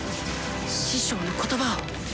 師匠の言葉を！